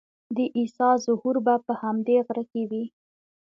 د عیسی ظهور به په همدې غره کې وي.